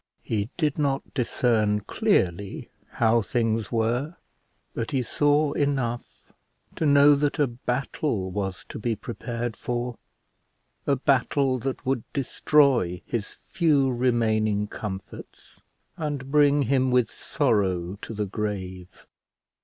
He did not discern clearly how things were, but he saw enough to know that a battle was to be prepared for; a battle that would destroy his few remaining comforts, and bring him with sorrow to the grave.